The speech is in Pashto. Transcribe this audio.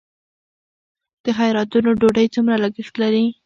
د خیراتونو ډوډۍ څومره لګښت لري؟